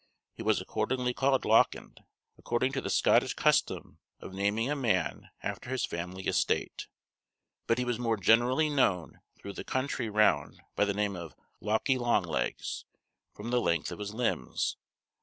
He was accordingly called Lauckend, according to the Scottish custom of naming a man after his family estate, but he was more generally known through the country round by the name of Lauckie Long Legs, from the length of his limbs.